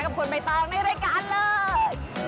กับกลมใหม่ต้องในรายการแล้ว